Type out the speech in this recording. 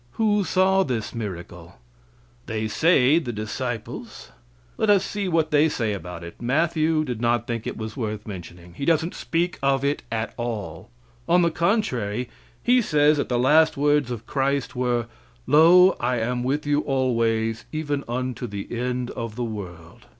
Who saw this miracle? They say the disciples. Let us see what they say about it. Matthew did not think it was worth mentioning. He doesn't speak of it at all. On the contrary, he says that the last words of Christ were: "Lo, I am with you always, even unto the end of the world."